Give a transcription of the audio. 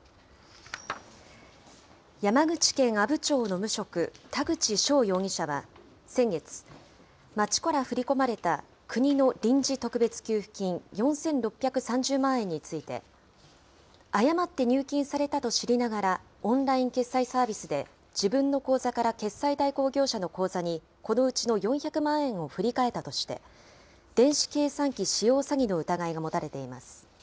山口県阿武町の無職、田口翔容疑者は、先月、町から振り込まれた国の臨時特別給付金４６３０万円について、誤って入金されたと知りながらオンライン決済サービスで、自分の口座から決済代行業者の口座にこのうちの４００万円を振り替えたとして、電子計算機使用詐欺の疑いが持たれています。